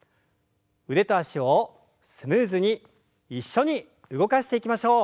腕と脚をスムーズに一緒に動かしていきましょう。